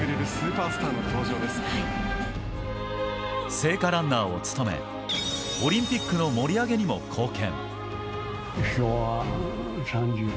聖火ランナーを務めオリンピックの盛り上げにも貢献。